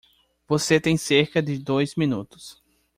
Você tem cerca de dois minutos.